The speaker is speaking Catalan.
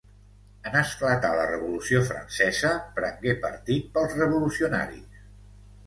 En esclatar la Revolució Francesa, prengué partit pels revolucionaris.